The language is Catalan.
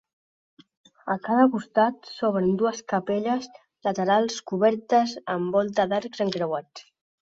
A cada costat s'obren dues capelles laterals cobertes amb volta d'arcs encreuats.